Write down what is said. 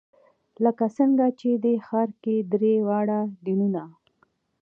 لکه څنګه چې دې ښار کې درې واړه دینونه.